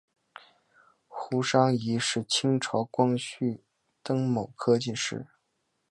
胡商彝是清朝光绪癸卯科进士。